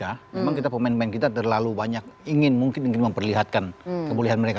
memang pemain pemain kita terlalu banyak ingin mungkin memperlihatkan kebolehan mereka